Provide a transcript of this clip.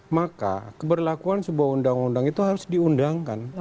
maka keberlakuan sebuah undang undang itu harus diundangkan